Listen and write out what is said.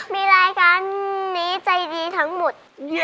มีรายการนี้ใจดีทั้งหมด